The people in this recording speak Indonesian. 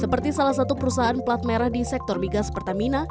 seperti salah satu perusahaan pelat merah di sektor migas pertamina